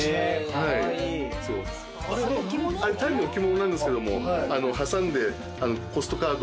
ただの置物なんですけど挟んでポストカードを。